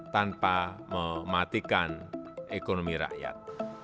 tanpa mematikan ekonomi rakyat